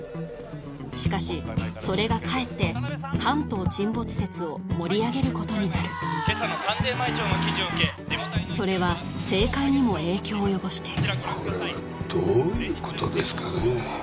しかしそれがかえって関東沈没説を盛り上げることになる今朝のサンデー毎朝の記事を受けそれは政界にも影響を及ぼしてこれはどういうことですかね